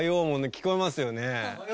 聞こえましたよね。